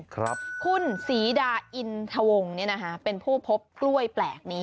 คุณศรีดาอินทวงเป็นผู้พบกล้วยแปลกนี้